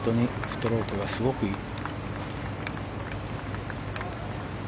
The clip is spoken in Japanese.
ストロークがすごくいい。